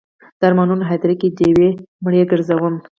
د ارمانونو هدیره کې ډیوې مړې ګرځوم